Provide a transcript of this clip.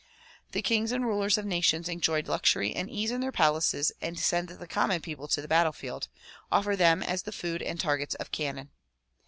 The kings and rulers of nations enjoy luxury and ease in their palaces and send the common people to the battlefield ; offer them as the food and targets of cannon.